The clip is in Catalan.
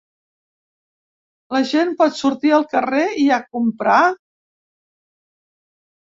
La gent pot sortir al carrer i a comprar?